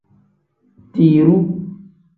Tiruu.